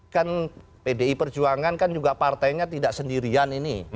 kan pdi perjuangan kan juga partainya tidak sendirian ini